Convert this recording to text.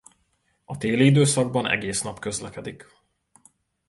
A téli időszakban egész nap közlekedik.